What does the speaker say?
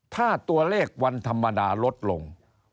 ถ้าตัวเลขวันธรรมดาลดลง